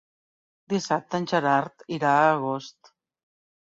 Dissabte en Gerard irà a Agost.